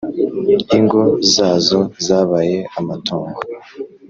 ingo zazo zabaye amatongo